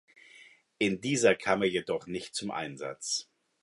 In dieser kam er jedoch nicht zum Einsatz.